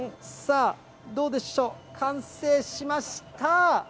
さあ、どうでしょう、完成しました。